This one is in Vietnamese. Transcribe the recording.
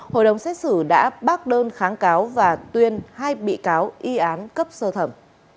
hội đồng xét xử đã bác đơn kháng cáo và tuyên hai bị cáo ián cấp sơ thẩm